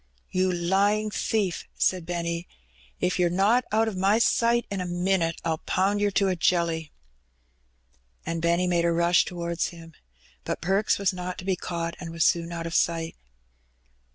"You lying thief !". said Benny. "If yer not out o' my sight in a minit I'll pound yer to a jelly." And Benny made a rush towards him. But Perks was not to be caught, and was soon out of sight.